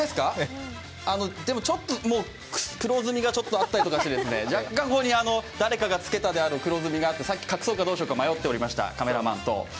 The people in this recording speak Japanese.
でも、もう黒ずみがちょっとあったりして、若干ここに誰かがつけたである黒ずみがあってさっき隠そうかどうか迷っておりました、カメラマンと。